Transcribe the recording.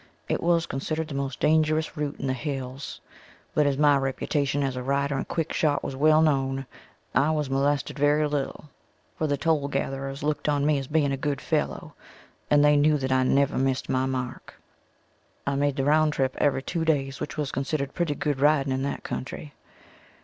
It was considered the most dangerous route in the Hills, but as my reputation as a rider and quick shot was well known, I was molested very little, for the toll gatherers looked on me as being a good fellow, and they knew that I never missed my mark. I made the round trip every two days which was considered pretty good riding in that country.